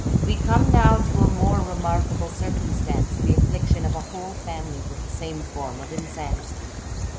We come now to a more remarkable circumstance, the affliction of a whole family with the same form of insanity.